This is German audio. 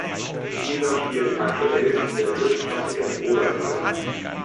Dieser spielt aktuell in der drittklassigen Oberliga.